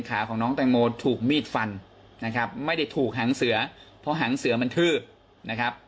อ้าวฟังรายละเอียดค่ะ